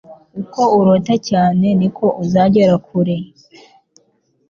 Uko urota cyane, ni ko uzagera kure. ”